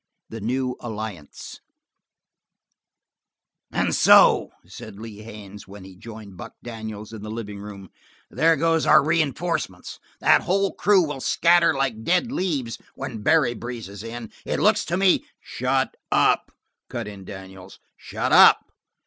The New Alliance "And so," said Lee Haines, when he joined Buck Daniels in the living room, "there goes our reinforcements. That whole crew will scatter like dead leaves when Barry breezes in. It looks to me " "Shut up!" cut in Daniels. "Shut up!"